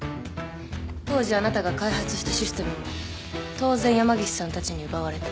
当時あなたが開発したシステムも当然山岸さんたちに奪われた。